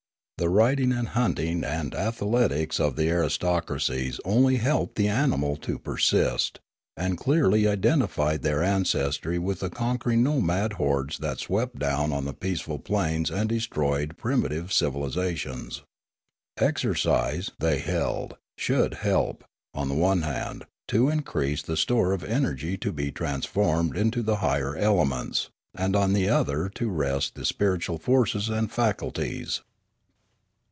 25 26 Limanora The riding and hunting and athletics of the aristocracies only helped the animal to persist, and clearly identified their ancestry with the conquering nomad hordes that swept down on the peaceful plains and destroyed primi tive civilisations. Exercise, they held, should help, on the one hand, to increase the store of energy to be transformed into the higher elements, and on the other to rest the spiritual forces and faculties.